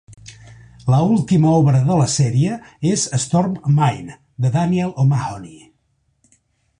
La última obra de la sèrie és "Storm Mine" de Daniel O'Mahony.